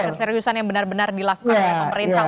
keseriusan yang benar benar dilakukan oleh pemerintah